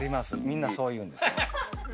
みんなそう言うんです。